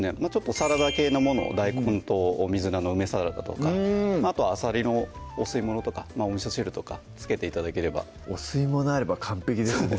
サラダ系のものを大根と水菜の梅サラダとかあとはあさりのお吸い物とかおみそ汁とか付けて頂ければお吸い物あれば完璧ですもんね